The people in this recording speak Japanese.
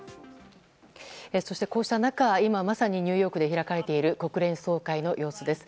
そしてこうした中、今まさにニューヨークで開かれている国連総会の様子です。